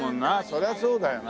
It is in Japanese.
そりゃそうだよな。